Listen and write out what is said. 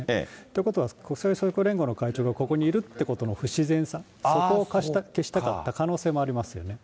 ということは、国際勝共連合の会長がここにいるということの不自然さ、そこを消したかった可能性もありますよね。